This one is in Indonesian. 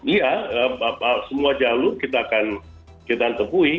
iya semua jalur kita akan kita temui